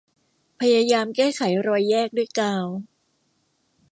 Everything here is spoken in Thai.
พยายามแก้ไขรอยแยกด้วยกาว